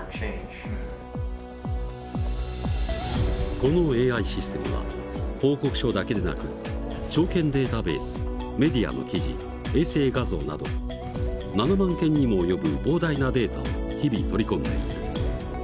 このＡＩシステムは報告書だけでなく証券データベースメディアの記事衛星画像など７万件にも及ぶ膨大なデータを日々取り込んでいる。